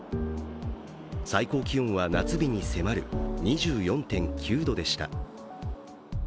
最高気温は夏日に迫る２４．９度でした。